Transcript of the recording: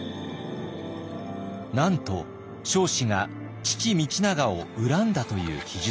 なんと彰子が父道長を恨んだという記述。